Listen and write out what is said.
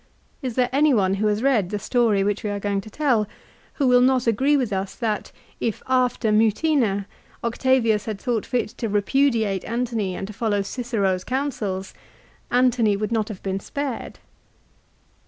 Is there any one who has read the story which we are going to tell who will not agree with us that, if after Mutina Octavius had thought fit to repudiate Antony and to follow Cicero's counsels, Antony would not have been spared